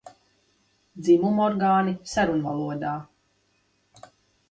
Dzimumorgāni sarunvalodā.